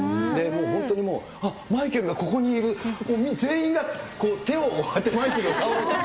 本当にもう、あっ、マイケルがここにいる、全員がこう、手を、こうやってマイケルを触ろうと。